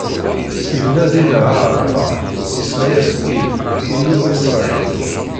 Ibna dinna aɛalṭar, isemma-as Il, Illu n Isṛayil.